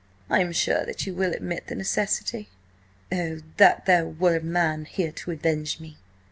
I am sure that you will admit the necessity." "Oh, that there were a man here to avenge me!"